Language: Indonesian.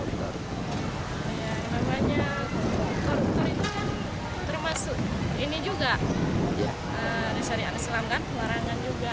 ya namanya koruptor itu ya termasuk ini juga syariat islam kan pengarangan juga